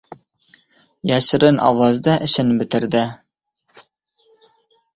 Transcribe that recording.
Yashirin ovozda “ishin” bitirdi.